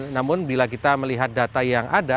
namun bila kita melihat data yang ada